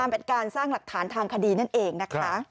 เป็นการสร้างหลักฐานทางคดีนั่นเองนะคะ